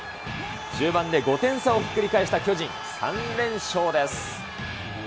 終盤で５点差をひっくり返した巨人、３連勝です。